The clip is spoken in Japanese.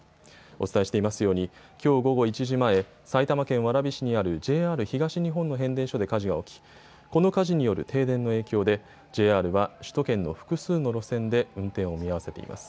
お伝えしていますようにきょう午後１時前、埼玉県蕨市にあるＪＲ東日本の変電所で火事が起き、この火事による停電の影響でＪＲは首都圏の複数の路線で運転を見合わせています。